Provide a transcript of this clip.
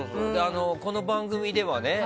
この番組ではね